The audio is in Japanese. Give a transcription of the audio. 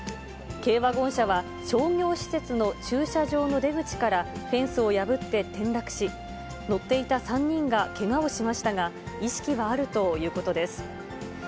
軽ワゴン車は商業施設の駐車場の出口からフェンスを破って転落し、乗っていた３人がけがをしましたが、意識はあるということです。